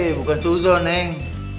eh bukan suzo neng